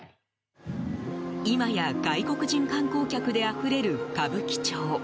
今や、外国人観光客であふれる歌舞伎町。